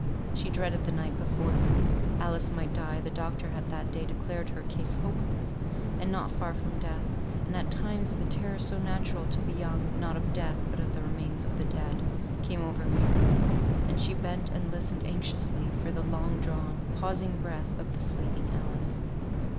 She dreaded the night before her. Alice might die; the doctor had that day declared her case hopeless, and not far from death; and at times the terror, so natural to the young, not of death, but of the remains of the dead, came over Mary; and she bent and listened anxiously for the long drawn, pausing breath of the sleeping Alice.